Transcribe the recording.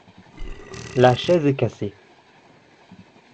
La chaise est cassée.